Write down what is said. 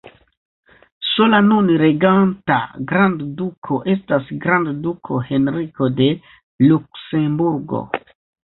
Sola nun reganta grandduko estas grandduko Henriko de Luksemburgo.